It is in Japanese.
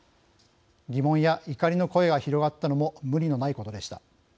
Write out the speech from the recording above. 疑問や怒りの声が広がったのも無理のないことでした。